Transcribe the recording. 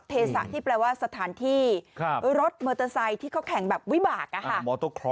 เทศะที่แปลว่าสถานที่รถมอเตอร์ไซค์ที่เขาแข่งแบบวิบากอะค่ะ